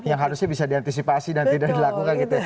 yang harusnya bisa diantisipasi dan tidak dilakukan gitu ya